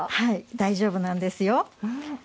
大丈夫なんですよ。